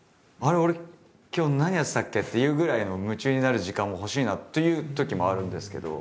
俺今日何やってたっけ？っていうぐらいの夢中になる時間も欲しいなっていうときもあるんですけど。